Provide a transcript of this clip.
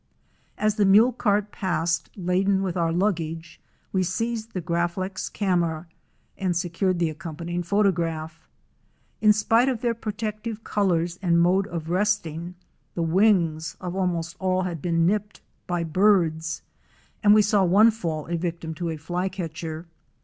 As the mule cart passed laden with our luggage, we seized the Graflex camera and secured the accompanying photograph. In spite of their protective colors and mode of resting, the wings of almost all had been nipped by birds, and we saw one fall a victim to a Flycatcher.